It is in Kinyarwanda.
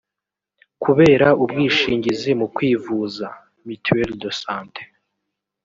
Kubera Ubwishingizi mu kwivuza (mituelle de sante)